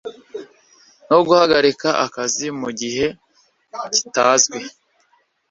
no guhagarika akazi mu gihe kitazwi